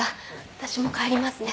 私も帰りますね。